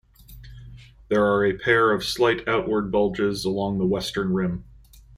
There are a pair of slight outward bulges along the western rim.